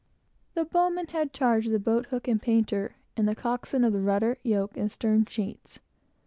The bow man had charge of the boat hook and painter, and the coxswain of the rudder, yoke, and stern sheets.